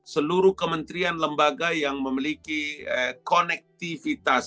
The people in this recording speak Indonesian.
seluruh kementerian lembaga yang memiliki konektivitas